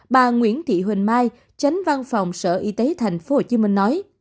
bà nguyễn thị huỳnh mai tránh văn phòng sở y tế tp hcm nói